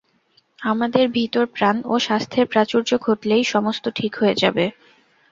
আমাদের ভিতর প্রাণ ও স্বাস্থ্যের প্রাচুর্য ঘটলেই সমস্ত ঠিক হয়ে যাবে।